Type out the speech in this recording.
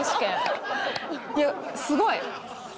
いやすごい！